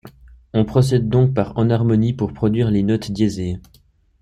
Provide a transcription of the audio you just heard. On procède donc par enharmonie pour produire les notes diésées.